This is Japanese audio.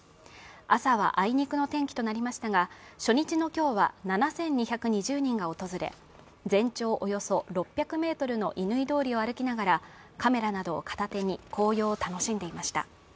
朝はあいにくの天気となりましたが初日の今日は７２２０人が訪れ、全長およそ６００ｍの乾通りを歩きながらカメラなどを片手に紅葉を楽しんでいました。